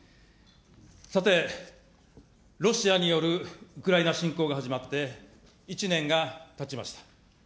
さて、ロシアによるウクライナ侵攻が始まって１年がたちました。